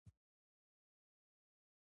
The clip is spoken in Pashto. یو اوزګړی د کوهي خولې ته نیژدې سو